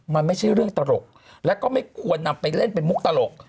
มันไม่ใช่เรื่องตลกแล้วก็ไม่ควรนำไปเล่นเป็นมุกตลก